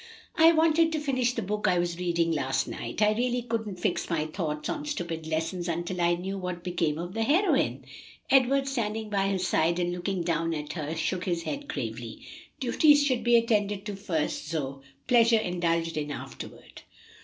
"I wanted to finish the book I was reading last night. I really couldn't fix my thoughts on stupid lessons until I knew what became of the heroine." Edward, standing by her side and looking down at her, shook his head gravely. "Duties should be attended to first, Zoe, pleasures indulged in afterward."